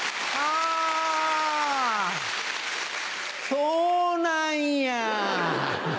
そうなんや！